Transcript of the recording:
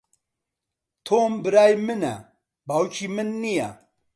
تۆم برای منە، باوکی من نییە.